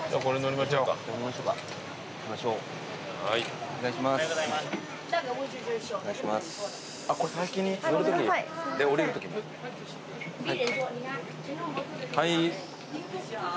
はい。